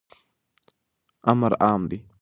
امر عام دی.